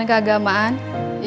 sambil kalau udah selesai